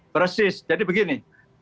persis jadi begini